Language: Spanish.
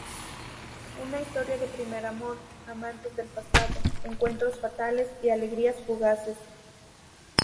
Una historia de primer amor, amantes del pasado, encuentros fatales y alegrías fugaces.